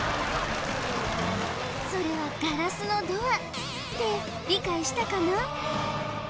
それはガラスのドアって理解したかな？